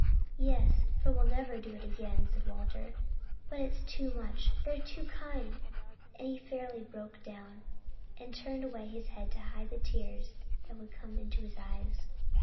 "Yes; for we'll never do it again," said Walter. "But it's too much: they're too kind!" and he fairly broke down, and turned away his head to hide the tears that would come into his eyes.